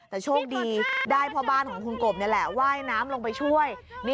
แต่โชคดีได้พ่อบ้านของคุณกบนี่แหละว่ายน้ำลงไปช่วย